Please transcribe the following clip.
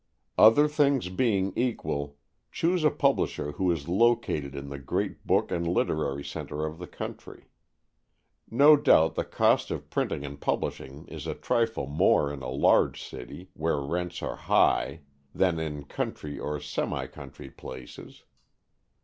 Other things being equal, choose a publisher who is located in the great book and literary centre of the country. No doubt the cost of printing and publishing is a trifle more in a large city, where rents are high, than in country or semi country places.